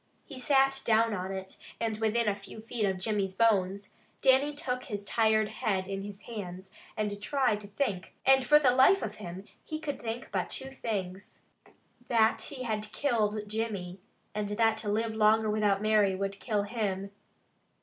He sat down on it, and within a few feet of Jimmy's bones, Dannie took his tired head in his hands, and tried to think, and for the life of him, he could think but two things. That he had killed Jimmy, and that to live longer without Mary would kill him.